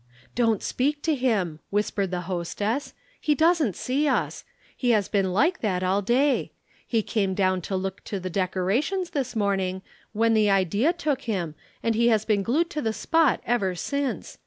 "'Don't speak to him,' whispered the hostess. 'He doesn't see us. He has been like that all day. He came down to look to the decorations this morning, when the idea took him and he has been glued to the spot ever since.